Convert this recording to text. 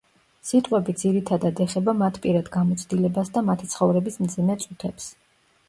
სიტყვები ძირითადად ეხება მათ პირად გამოცდილებას და მათი ცხოვრების მძიმე წუთებს.